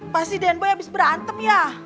pasti den boy habis berantem ya